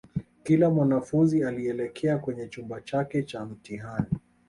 kila mwanafunzi alielekea kwenye chumba chake cha mtihani